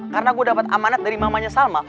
karena gue dapet amanat dari mamanya salma